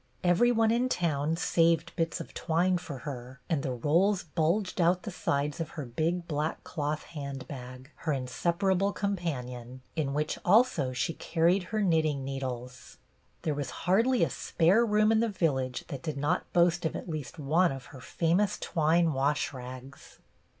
Every one in town saved bits of twine for her, and the rolls bulged out the sides of her big black cloth handbag, her inseparable companion, in which also she carried her knitting needles. There was hardly a spare room in the village that did not boast of at least one of her famous twine wash rags.